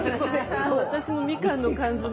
私もみかんの缶詰。